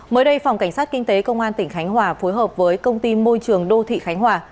mới đây phòng cảnh sát kinh tế công an tỉnh khánh hòa phối hợp với công ty môi trường đô thị khánh hòa